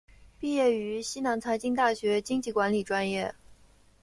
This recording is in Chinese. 毕业于西南财经大学经济管理专业。